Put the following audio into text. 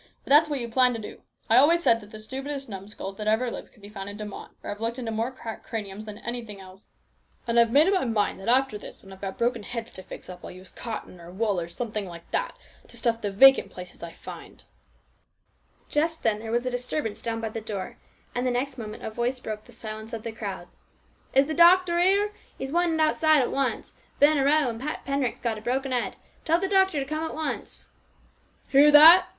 But that's what you plan to do. I always said that the stupidest numskulls that ever lived could be found in De Mott, where I've looked into more cracked craniums than anything else, and I've made up my mind that after this, when I've broken heads to fix AN ORATOR. 271 up, I'll use cotton or wool, or something like that, to stuff the vacant places I find " Just then there was a disturbance down by the door, and the next moment a voice broke the silence of the crowd, " Is the doctor here ? He's wanted at once outside. Been a row and Pat Penryck has got a broken head. Tell the doctor to come at once." " Hear that